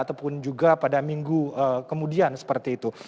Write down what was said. ataupun juga pada minggu kemudian seperti itu